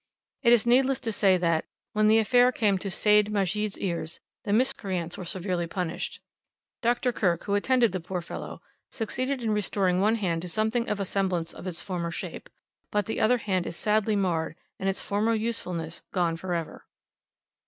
It is needless to say that, when the affair came to Seyd Majid's ears, the miscreants were severely punished. Dr. Kirk, who attended the poor fellow, succeeded in restoring one hand to something of a resemblance of its former shape, but the other hand is sadly marred, and its former usefulness gone for ever.